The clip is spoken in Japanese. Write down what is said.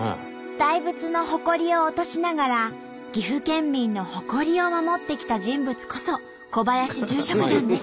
大仏のホコリを落としながら岐阜県民の誇りを守ってきた人物こそ小林住職なんです。